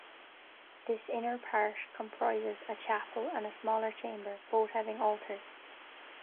This inner part comprises a chapel and a smaller chamber, both having altars.